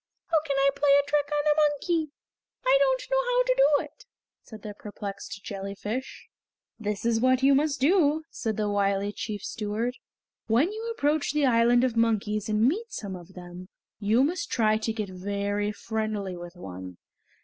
"How can I play a trick on a monkey? I don't know how to do it," said the perplexed jellyfish. "This is what you must do," said the wily chief steward. "When you approach the Island of Monkeys and meet some of them, you must try to get very friendly with one.